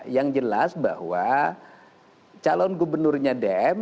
yang jelas bahwa calon gubernurnya dem